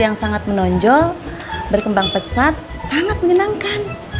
yang sangat menonjol berkembang pesat sangat menyenangkan